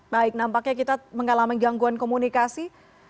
baik nampaknya kita mengalami gangguan komunikasi